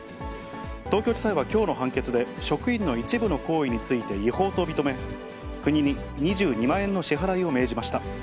東京地裁はきょうの判決で、職員の一部の行為について違法と認め、国に２２万円の支払いを命じました。